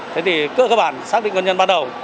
thế thì cỡ các bạn xác định nguyên nhân ban đầu